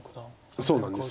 そうなんです。